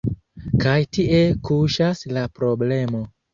Kaj tie kuŝas la problemo.